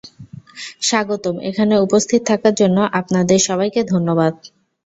স্বাগতম এখানে উপস্থিত থাকার জন্য আপনাদের সবাইকে ধন্যবাদ।